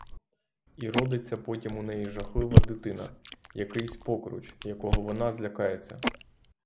І родиться потім у неї жахлива дитина, якийсь покруч, якого вона злякається.